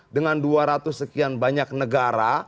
dengan dua ratus sekian banyak negara